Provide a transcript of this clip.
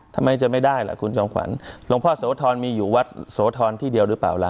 ทำไมจะไม่ได้ล่ะคุณจอมขวัญหลวงพ่อโสธรมีอยู่วัดโสธรที่เดียวหรือเปล่าล่ะ